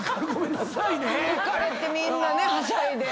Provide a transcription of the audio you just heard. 浮かれてみんなねはしゃいで。